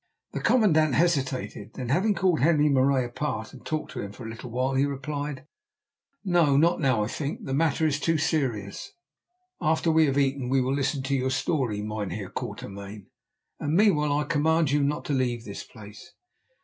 The commandant hesitated. Then, having called Henri Marais apart and talked to him for a little while, he replied: "No, not now, I think; the matter is too serious. After we have eaten we will listen to your story, Mynheer Quatermain, and meanwhile I command you not to leave this place."